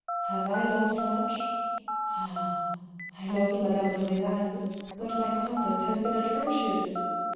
" Have I loved much ? Ah ! I loved madame de Renal, but my conduct has been atrocious.